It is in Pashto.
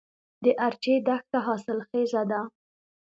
د ارچي دښته حاصلخیزه ده